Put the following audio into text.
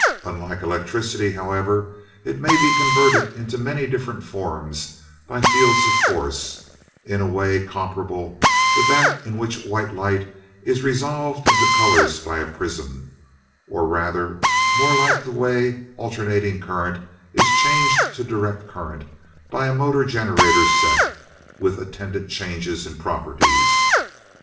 Unlike electricity, however, it may be converted into many different forms by fields of force, in a way comparable to that in which white light is resolved into colors by a prism or rather, more like the way alternating current is changed to direct current by a motor generator set, with attendant changes in properties.